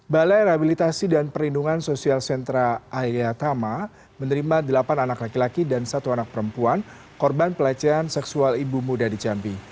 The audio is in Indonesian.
balai rehabilitasi dan perlindungan sosial sentra ayatama menerima delapan anak laki laki dan satu anak perempuan korban pelecehan seksual ibu muda di jambi